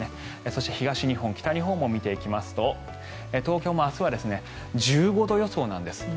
そして東日本、北日本も見ていきますと東京も明日は１５度予想なんです。